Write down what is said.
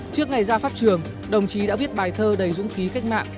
trước ngày ra pháp trường đồng chí đã viết bài thơ đầy dũng ký cách mạng